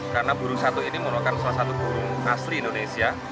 karena burung satu ini merupakan salah satu burung asli indonesia